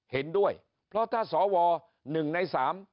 เห็นด้วยเพราะถ้าสว๑ใน๓